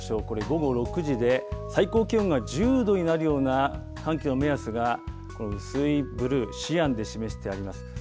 これ、午後６時で最高気温が１０度になるような寒気の目安が、薄いブルー、シアンで示してあります。